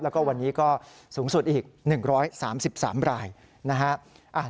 แล้วก็วันนี้ก็สูงสุดอีก๑๓๓รายนะฮะ